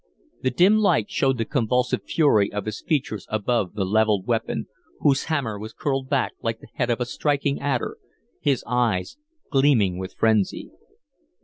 The dim light showed the convulsive fury of his features above the levelled weapon, whose hammer was curled back like the head of a striking adder, his eyes gleaming with frenzy.